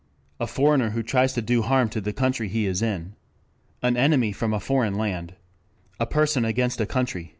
"A foreigner who tries to do harm to the country he is in." "An enemy from a foreign land." "A person against a country."